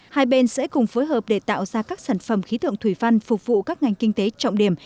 hai bên sẽ cùng phối hợp để tạo ra các sản phẩm khí tượng thủy văn phục vụ các ngành kinh tế trọng điểm